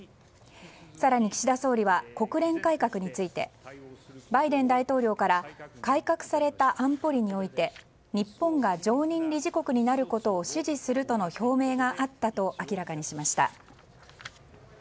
更に、岸田総理は国連改革についてバイデン大統領から改革された安保理において日本が常任理事国になることを支持するとの表明があったと明らかにしました。